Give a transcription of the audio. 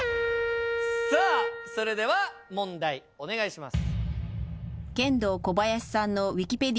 さあそれでは問題お願いします！